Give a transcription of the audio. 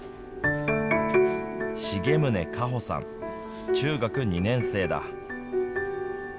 重宗果歩さん、中学２年生だ。